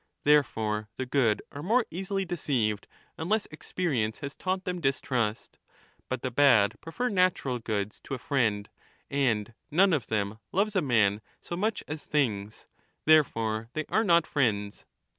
Therefore the good are more easily deceived unless experience has 30 taught them distrust. But the bad prefer natural goods to a friend and none of them loves a man so much as things ; therefore they are not friends.